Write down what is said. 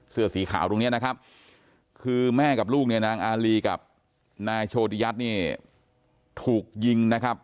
เสื้อสีขาวตรงเนี้ยนะครับคือแม่กับลูกเนี่ยนางอารีกับนายโชติยัตน์เนี่ยถูกยิงนะครับ